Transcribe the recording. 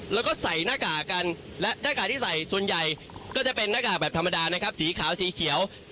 แล้วก็ใส่หน้ากากกันและหน้ากากที่ใส่ส่วนใหญ่ก็จะเป็นหน้ากากแบบธรรมดานะครับสีขาวสีเขียว